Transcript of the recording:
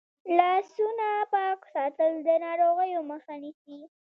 لاسونه پاک ساتل د ناروغیو مخه نیسي.